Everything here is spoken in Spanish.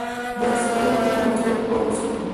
Durante su cargo mantuvo una postura pro-ruso.